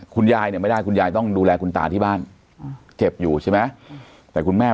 คุณยายเนี่ยไม่ได้คุณยายต้องดูแลคุณตาที่บ้านเก็บอยู่ใช่ไหมแต่คุณแม่